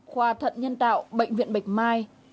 khoa thận nhân tạo bệnh viện bạch mai